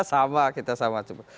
sama kita sama cepat